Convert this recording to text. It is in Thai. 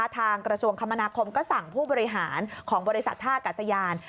กระทรวงคมนาคมก็สั่งผู้บริหารของบริษัทท่ากัสยาน